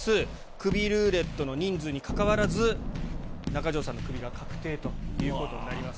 クビルーレットの人数にかかわらず、中条さんのクビが確定ということになります。